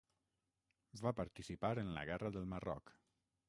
Va participar en la Guerra del Marroc.